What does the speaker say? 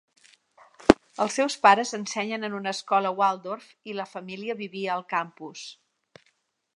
Els seus pares ensenyen en una escola Waldorf i la família vivia al campus.